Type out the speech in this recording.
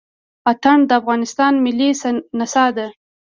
اتڼ د افغانستان ملي نڅا ده.